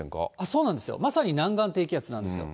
そうなんですよ、まさに南岸低気圧なんですよ。